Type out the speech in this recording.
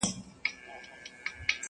که یې لمبو دي ځالګۍ سوځلي؛